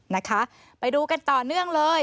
นะคะไปดูกันต่อเนื่องเลย